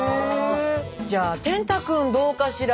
じゃあ天嵩君どうかしら。